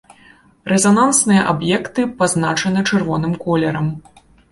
Рэзанансныя аб'екты пазначаны чырвоным колерам.